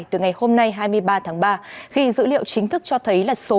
từ ngày hôm nay hai mươi ba tháng ba khi dữ liệu chính thức cho thấy là số